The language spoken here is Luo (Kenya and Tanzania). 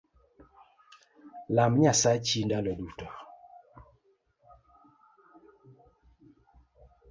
Lam Nyasachi ndalo duto